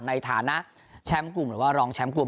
ในฐานะแชมป์กลุ่มหรือว่ารองแชมป์กลุ่ม